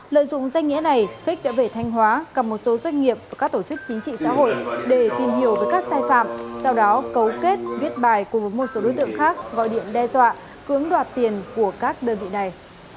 lợi dụng danh nghĩa này khích đã về thanh hóa cầm một số doanh nghiệp và các tổ chức chính trị xã hội để tìm hiểu về các sai phạm sau đó cấu kết viết bài cùng với một số đối tượng khác gọi điện đe dọa cưỡng đoạt tiền của các đơn vị này